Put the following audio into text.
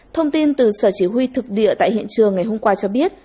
thông tin từ sở chỉ huy thực địa tại hiện trường ngày hôm qua cho biết